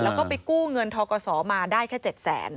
แล้วก็ไปกู้เงินท้อกสมาได้แค่๗๐๐๐๐๐บาท